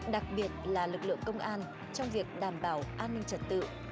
đặc biệt là lực lượng công an trong việc đảm bảo an ninh trật tự